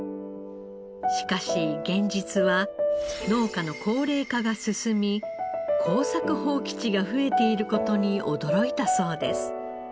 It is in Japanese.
しかし現実は農家の高齢化が進み耕作放棄地が増えている事に驚いたそうです。